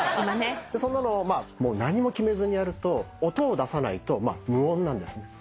そんなのをもう何も決めずにやると音を出さないと無音なんですね。